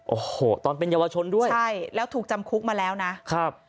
โอ้โหตอนเป็นเยาวชนด้วยใช่แล้วถูกจำคุกมาแล้วนะครับ